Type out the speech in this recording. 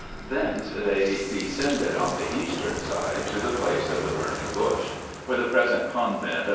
Thence they descended on the eastern side to the place of the Burning Bush (where the present convent of S.